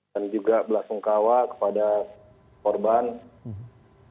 dan juga belasungkawa kepada korban